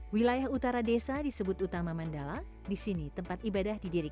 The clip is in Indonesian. wilayah utara desa disebut utama mandala di sini tempat ibadah didirikan